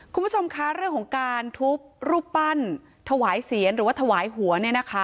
คุณผู้ชมคะเรื่องของการทุบรูปปั้นถวายเสียรหรือว่าถวายหัวเนี่ยนะคะ